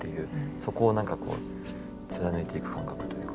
そこを何かこう貫いていく感覚というか。